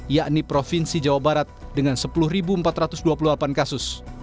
yakni provinsi jawa barat dengan sepuluh empat ratus dua puluh delapan kasus